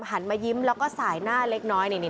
หันมายิ้มแล้วก็สายหน้าเล็กน้อย